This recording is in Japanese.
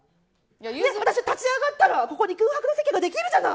私が立ち上がったらここに空白の席ができるじゃない。